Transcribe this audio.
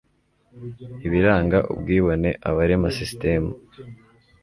ibiranga ubwibone, abarema sisitemu